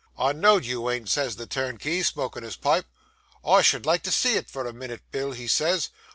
"I know you ain't," says the turnkey, smoking his pipe. "I should like to see it for a minit, Bill," he says.